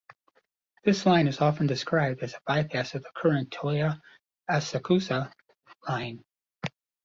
This line is often described as a bypass of the current Toei Asakusa Line.